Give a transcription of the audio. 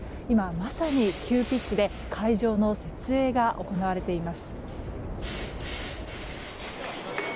今まさに、急ピッチで会場の設営が行われています。